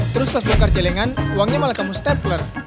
terus pas blokar jelengan uangnya malah kamu stapler